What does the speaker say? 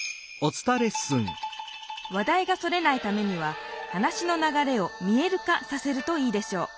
話だいがそれないためには話の流れを「見える化」させるといいでしょう。